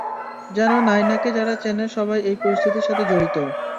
যে নায়নাকে যারা চেনে সবাই এই পরিস্থিতির সাথে জড়িত?